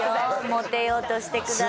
モテようとしてください